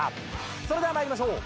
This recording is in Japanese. それでは参りましょう。